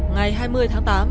ngày hai mươi tháng tám